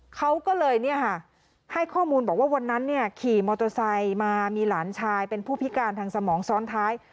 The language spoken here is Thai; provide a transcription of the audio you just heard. เขาก็เลยเนี้ยค่ะให้ข้อมูลบอกว่าวันนั้นเนี่ยขี่มอโทซัยมามีหลานชายเป็นผู้พิการทางสมองซ้อนท้าย